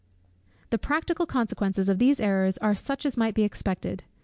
THE practical consequences of these errors are such as might be expected.